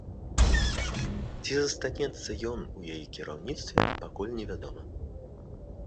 Ці застанецца ён у яе кіраўніцтве, пакуль невядома.